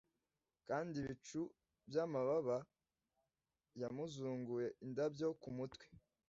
Kandi ibicu byamababa yamuzunguye indabyo kumutwe